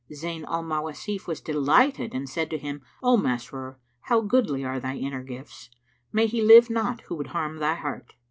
Zayn al Mawasif was delighted and said to him, "O Masrur, how goodly are thy inner gifts! May he live not who would harm thy heart!"